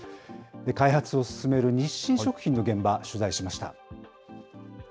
開発を進める日清食品の現場、取材しました。